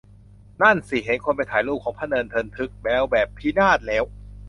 นั่นสิ เห็นคนไปถ่ายรูปของพะเนินเทินทึกแล้วแบบ พินาศแล้ว